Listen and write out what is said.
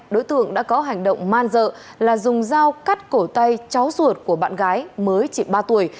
đối tượng đã có hành động man dợ là dùng dao cắt cổ tay cháu ruột của bạn gái mới chỉ ba tuổi